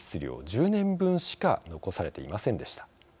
１０年分しか残されていませんでした。